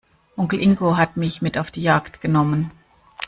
Onkel Ingo hat mich mit auf die Jagd genommen.